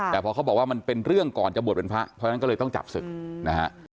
แต่พอเขาบอกว่ามันเป็นเรื่องก่อนจะบวชเป็นพระเพราะฉะนั้นก็เลยต้องจับศึกนะฮะ